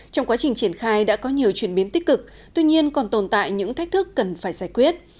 trong quá trình triển khai đã có nhiều chuyển biến tích cực tuy nhiên còn tồn tại những thách thức cần phải giải quyết